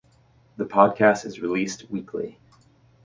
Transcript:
The podcast is released weekly.